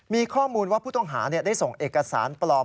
มีข้อมูลว่าผู้ต้องหาได้ส่งเอกสารปลอม